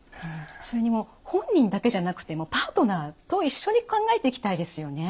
それにもう本人だけじゃなくてもパートナーと一緒に考えていきたいですよね。